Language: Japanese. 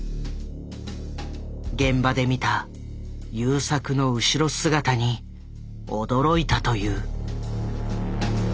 現場で見た優作の後ろ姿に驚いたという。